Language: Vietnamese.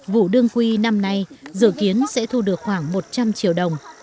vụ đương quy năm nay dự kiến sẽ thu được khoảng một trăm linh triệu đồng